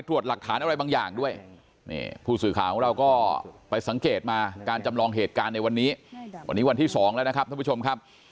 วันนี้วันที่สองแล้วนะครับท่านผู้ชมครับ